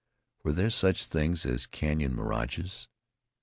Were there such things as canyon mirages?